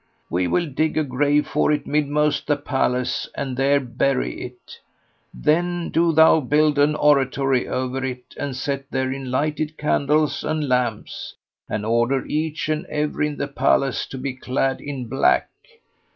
We will dig a grave for it midmost the palace and there bury it: then do thou build an oratory over it and set therein lighted candles and lamps, and order each and every in the palace to be clad in black.